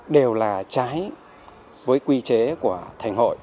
đều là trái với quy chế của thành hội